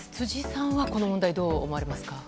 辻さんは、この問題どう思われますか？